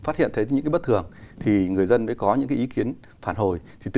phát hiện thấy những cái bất thường thì người dân mới có những ý kiến phản hồi